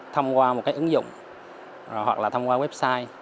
thông qua một cái ứng dụng hoặc là thông qua website